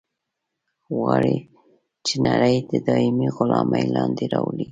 غواړي چې نړۍ د دایمي غلامي لاندې راولي.